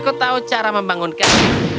aku tahu cara membangunkan